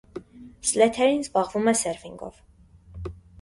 Սլեթերին զբաղվում է սերֆինգով։